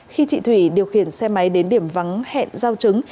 khi chị thủy điều khiển xe máy đến điểm vắng hẹn giao trứng